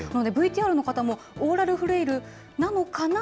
なので、ＶＴＲの方もオーラルフレイルなのかな？